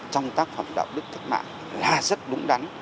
trong tác phẩm đạo đức cách mạng là rất đúng đắn